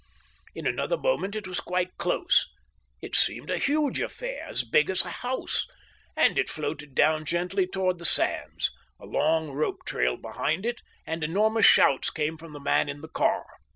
In another moment it was quite close. It seemed a huge affair, as big as a house, and it floated down swiftly towards the sands; a long rope trailed behind it, and enormous shouts came from the man in the car.